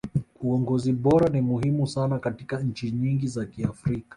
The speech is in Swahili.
uongozi bora ni muhimu sana katika nchi nyingi za kiafrika